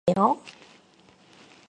확신해요?